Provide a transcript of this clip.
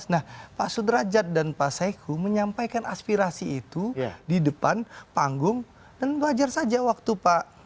nah pak sudrajat dan pak saiku menyampaikan aspirasi itu di depan panggung dan wajar saja waktu pak